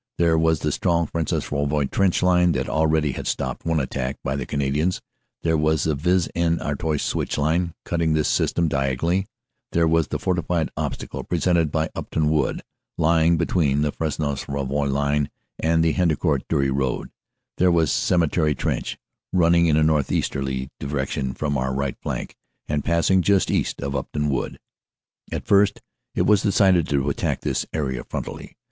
There was the strong Fresnes Rouvroy trench line that already had stopped one attack by the Canadians ; there was the Vis en Artois Switch line, cutting this system diagonally; there was the fortified obstacle presented by Upton Wood, lying between the Fresnes Rouvroy line and the Hendecourt Dury road, there was Cemetery Trench, running in a northeasterly direc tion from our right flank and passing just east of Upton Wood. "At first it was decided to attack this area f rontally.